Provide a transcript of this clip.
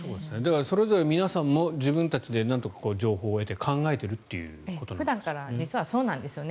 それぞれ皆さんも自分たちで情報を得て考えているっていうことなんですね。